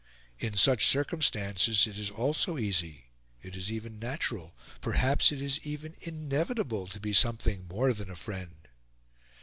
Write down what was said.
In such circumstances it is also easy, it is even natural, perhaps it is even inevitable, to be something more than a friend.